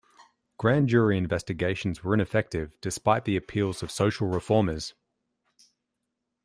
Grand jury investigations were ineffective, despite the appeals of social reformers.